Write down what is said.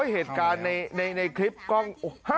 เหตุการณ์ในคลิปกล้อง